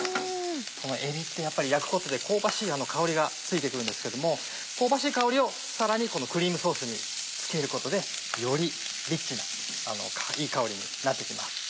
えびって焼くことで香ばしい香りがついて来るんですけども香ばしい香りをさらにクリームソースにつけることでよりリッチないい香りになって来ます。